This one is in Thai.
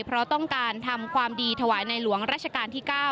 เพราะต้องการทำความดีถวายในหลวงราชการที่๙